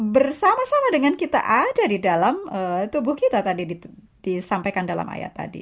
bersama sama dengan kita ada di dalam tubuh kita tadi disampaikan dalam ayat tadi